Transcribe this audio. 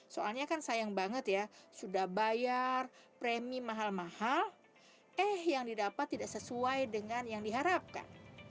soalnya kan sayang banget ya sudah bayar premi mahal mahal eh yang didapat tidak sesuai dengan yang diharapkan